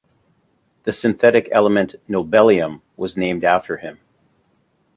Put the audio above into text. The synthetic element nobelium was named after him.